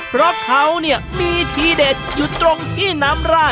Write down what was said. เพราะเขาเนี่ยมีทีเด็ดอยู่ตรงที่น้ำราด